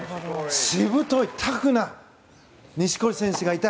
しぶとい、タフな錦織選手がいた。